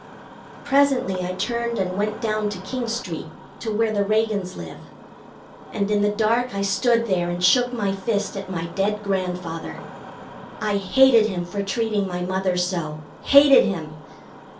Presently I turned and went down to King Street, to where the Reagans live, and in the dark I stood there and shook my fist at my dead grandfather. I hated him for treating my mother so. Hated him!